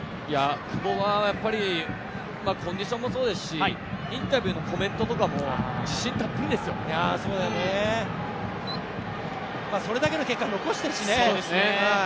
久保がコンディションもそうですし、インタビューのコメントとかもそれだけの結果を残していますしね。